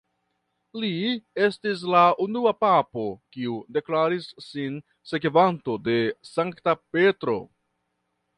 Li estis la unua papo kiu deklaris sin sekvanto de Sankta Petro.